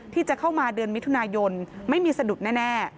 ที่จะเข้ามาเดือนมิถุนายนไม่มีสะดุดแน่